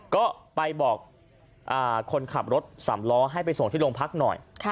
ก็ไปบอกคนขับรถสามล้อให้ไปส่งที่โรงพักหน่อย